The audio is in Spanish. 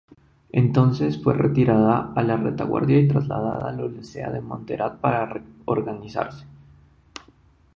Entonces fue retirada a la retaguardia y trasladada a Olesa de Montserrat para reorganizarse.